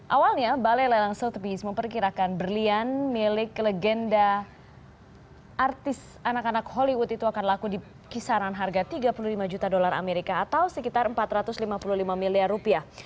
awalnya balai lelang sel tepis memperkirakan berlian milik legenda artis anak anak hollywood itu akan laku di kisaran harga tiga puluh lima juta dolar amerika atau sekitar empat ratus lima puluh lima miliar rupiah